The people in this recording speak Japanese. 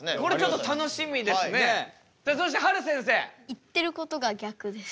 言ってることが逆です。